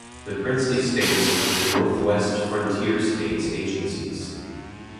The Princely states of the North-West Frontier States Agencies.